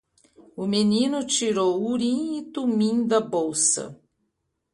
O menino tirou Urim e Tumim da bolsa.